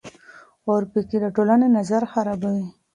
اورپکي د ټولنې نظم خرابوي.